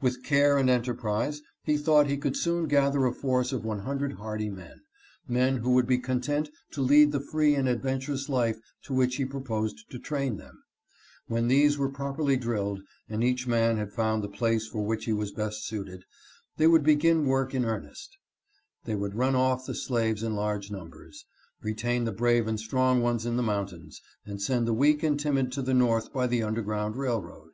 With care and enterprise he thought he could soon gather a force of one hundred hardy men, men who would be content to lead the free and adventurous life to which he proposed to train them; when these were properly drilled, and each man had found the place for which he was best suited, they would begin work in ear nest ; they would run off the slaves in large numbers, retain the brave and strong ones in the mountains, and send the weak and timid to the north by the underground railroad.